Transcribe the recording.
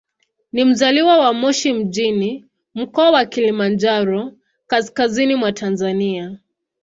Ni mzaliwa wa Moshi mjini, Mkoa wa Kilimanjaro, kaskazini mwa Tanzania.